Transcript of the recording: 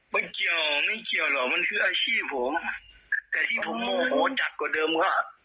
มันเกี่ยวไม่เกี่ยวหรอกมันคืออาชีพผมแต่ที่ผมโมโหจัดกว่าเดิมว่า